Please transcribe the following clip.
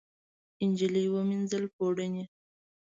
نجلۍ ومینځل پوړني